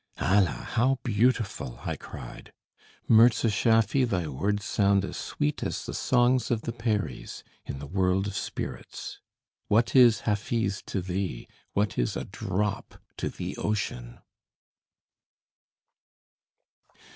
"Allah, how beautiful!" I cried. "Mirza Schaffy, thy words sound as sweet as the songs of the Peris, in the world of spirits! What is Hafiz to thee? What is a drop to the ocean?"